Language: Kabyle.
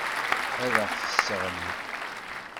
Ad aɣ-tesseɣli.